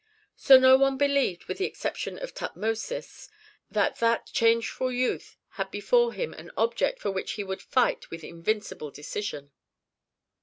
So no one believed, with the exception of Tutmosis, that that changeful youth had before him an object for which he would fight with invincible decision.